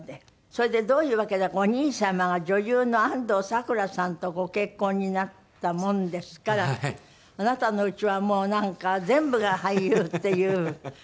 それでどういうわけだかお兄様が女優の安藤サクラさんとご結婚になったもんですからあなたのうちはもうなんか全部が俳優っていう風になったのね。